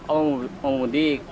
oh mau mudik